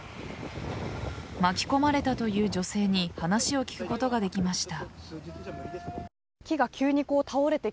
巻き込まれたという女性に話を聞くことができました。